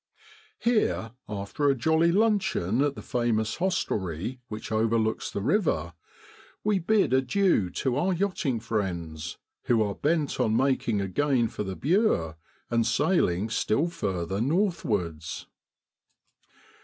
Here, after a jolly luncheon at the famous hostelry which overlooks the river, we bid adieu to our yachting friends, who are bent on making again for the Bare and sailing still further northwards.